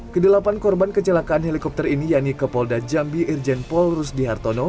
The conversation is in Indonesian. kedelapan korban kecelakaan helikopter ini yaitu kapolda jambi irjen porus di hartono